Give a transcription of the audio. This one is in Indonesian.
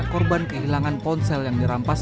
korban kehilangan ponsel yang dirampas